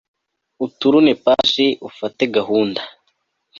uturune page ufate gahunda